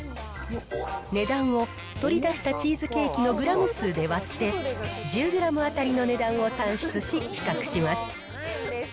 値段を取り出したチーズケーキのグラム数で割って、１０グラム当たりの値段を算出し、比較します。